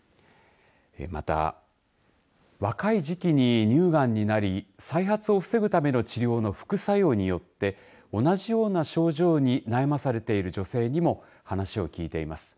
また若い時期に乳がんになり再発を防ぐための治療の副作用によって同じような症状に悩まされている女性にも話を聞いています。